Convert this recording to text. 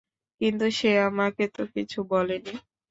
কিন্তু সে আমাকে তো কিছু বলেনি।